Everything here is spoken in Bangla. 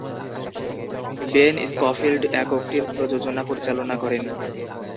বেন স্কফিল্ড এককটির প্রযোজনা পরিচালনা করেন।